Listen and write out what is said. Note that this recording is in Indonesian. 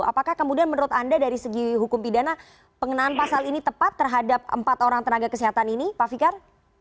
apakah kemudian menurut anda dari segi hukum pidana pengenaan pasal ini tepat terhadap empat orang tenaga kesehatan ini pak fikar